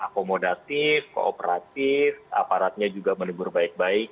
akomodatif kooperatif aparatnya juga menegur baik baik